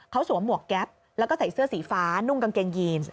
เขาสวมหมวกแก๊ปแล้วก็ใส่เสื้อสีฟ้านุ่งกางเกงยีน